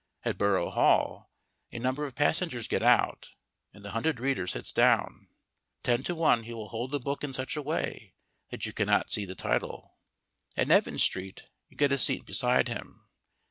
At Borough Hall a number of passengers get out, and the hunted reader sits down. Ten to one he will hold the book in such a way that you cannot see the title. At Nevins Street you get a seat beside him.